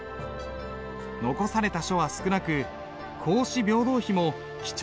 残された書は少なく「孔子廟堂碑」も貴重なその一つ。